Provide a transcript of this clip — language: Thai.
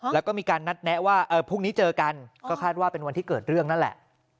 แล้วก็มีการนัดแนะว่าพรุ่งนี้เจอกันก็คาดว่าเป็นวันที่เกิดเรื่องนั่นแหละ